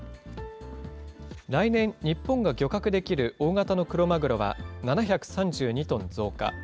来年、日本が漁獲できる大型のクロマグロは７３２トン増加。